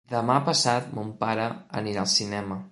Demà passat mon pare anirà al cinema.